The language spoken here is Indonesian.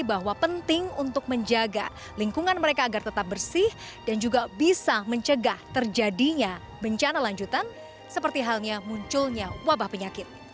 bahwa penting untuk menjaga lingkungan mereka agar tetap bersih dan juga bisa mencegah terjadinya bencana lanjutan seperti halnya munculnya wabah penyakit